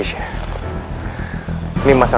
kita cari kemana lagi